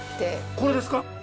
これですか？